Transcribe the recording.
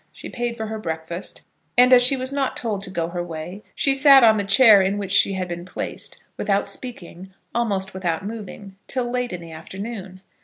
She paid for her breakfast, and, as she was not told to go her way, she sat on the chair in which she had been placed, without speaking, almost without moving, till late in the afternoon.